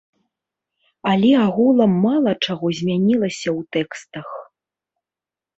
Але агулам мала чаго змянілася ў тэстах.